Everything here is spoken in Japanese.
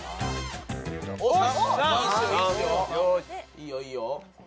いいよいいよ。